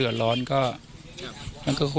แล้วอันนี้ก็เปิดแล้ว